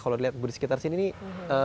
kalau dilihat di sekitar sini nih